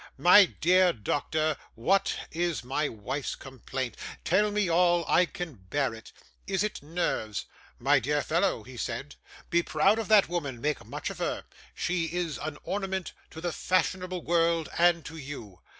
"My dear doctor, what is my wife's complaint? Tell me all. I can bear it. Is it nerves?" "My dear fellow," he said, "be proud of that woman; make much of her; she is an ornament to the fashionable world, and to you.